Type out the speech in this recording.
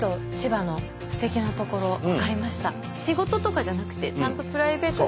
仕事とかじゃなくてちゃんとプライベートで。